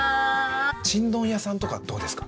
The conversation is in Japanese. ちんどん屋さんとかどうですか？